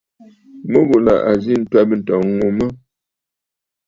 Mû ghù là à zî ǹtwɛ̀bə̂ ǹtɔ̀ŋ ŋù mə̀.